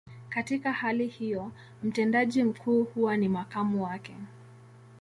Katika hali hiyo, mtendaji mkuu huwa ni makamu wake.